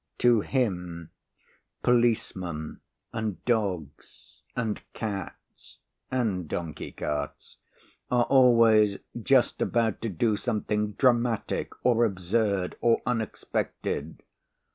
To him policemen and dogs and cats and donkey carts are always just about to do something dramatic or absurd or unexpected.